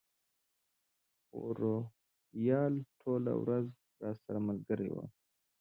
خو روهیال ټوله ورځ راسره ملګری و.